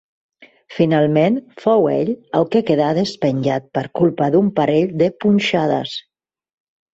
Finalment fou ell el que quedà despenjat per culpa d'un parell de punxades.